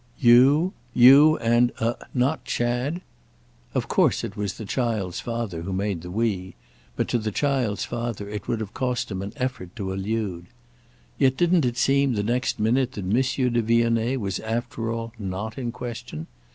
"'You'? You and—a—not Chad?" Of course it was the child's father who made the 'we,' but to the child's father it would have cost him an effort to allude. Yet didn't it seem the next minute that Monsieur de Vionnet was after all not in question?